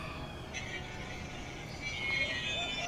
El cañón automático es apuntado con ayuda de un alza tipo "anillo".